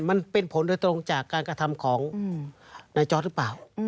มันเป็นผลโดยตรงจากการกระทำของนายจอร์ดหรือเปล่า